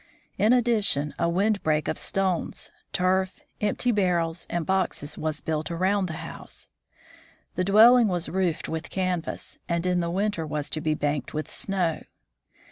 In addition, a wind break of stones, turf, empty barrels, and boxes was built around the house. The dwelling was roofed with canvas, and in the winter was to be banked Setting Fox Traps. with snow.